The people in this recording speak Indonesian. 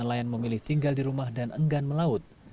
dan sebagian nelayan memilih tinggal di rumah dan enggan melaut